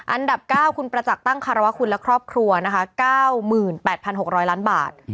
อันดับ๙คุณประจักษ์ตั้งคารวะคุณและครอบครัวนะคะ๙๘๖๐๐ล้านบาท